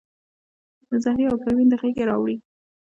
د زهرې او د پروین د غیږي راوړي